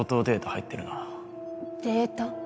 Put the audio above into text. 入ってるデータ？